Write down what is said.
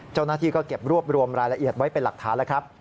เจ้าหน้าที่ก็เก็บรวบรวมรายละเอียดไว้เป็นหลักฐานแล้วครับ